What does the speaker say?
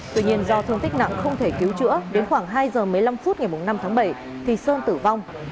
tuy nhiên do thương tích nặng không thể cứu chữa đến khoảng hai giờ một mươi năm phút ngày năm tháng bảy thì sơn tử vong